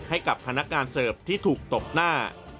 ให้กับคณะการเสอร์ฟที่ถูกตกหน้า